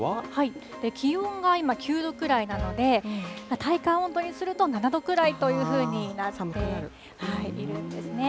気温が今９度くらいなので、体感温度にすると、７度くらいというふうになっているんですね。